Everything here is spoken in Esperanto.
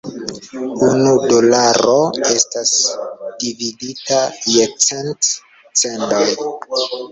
Unu dolaro estas dividita je cent "cendoj".